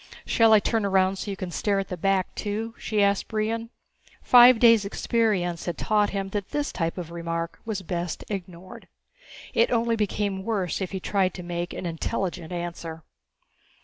"Shall I turn around so you can stare at the back too?" she asked Brion. Five days' experience had taught him that this type of remark was best ignored. It only became worse if he tried to make an intelligent answer.